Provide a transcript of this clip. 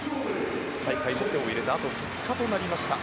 大会も今日を入れてあと２日となりました。